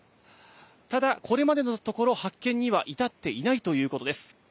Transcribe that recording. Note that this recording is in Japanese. ただ、これまでのところ発見には至っていないということです。